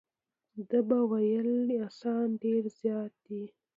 ده به ویل چې اسان ډېر زیات دي.